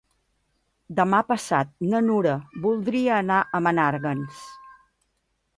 Demà passat na Nura voldria anar a Menàrguens.